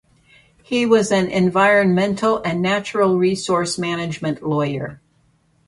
He was an environmental and natural resource management lawyer.